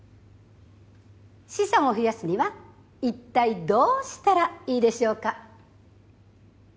資産を増やすにはいったいどうしたらいいでしょうか？